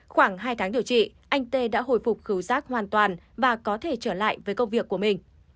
khoảng hai tháng điều trị anh tê đã hồi phục cứu giác hoàn toàn và có thể trở lại với công việc của mình